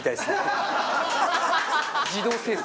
自動生成。